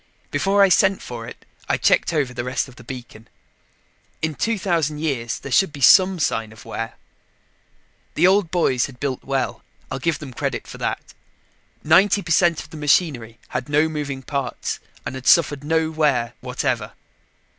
Before I sent for it, I checked over the rest of the beacon. In 2000 years, there should be some sign of wear. The old boys had built well, I'll give them credit for that. Ninety per cent of the machinery had no moving parts and had suffered no wear whatever.